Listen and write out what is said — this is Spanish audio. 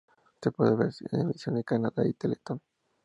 Se puede ver su emisión en Canadá en Teletoon.